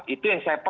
itu yang saya pengen